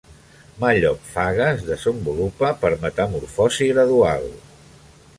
Mallophaga es desenvolupa per metamorfosi gradual.